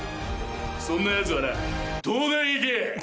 そんなヤツはな東大へ行け。